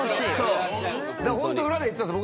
だからホント裏で言ってたんです。